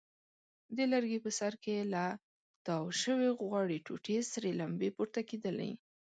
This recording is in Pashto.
د لرګي په سر کې له تاو شوې غوړې ټوټې سرې لمبې پورته کېدلې.